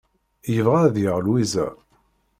Yebɣa ad yaɣ Lwiza.